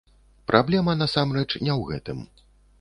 Праблема, насамрэч, не ў гэтым.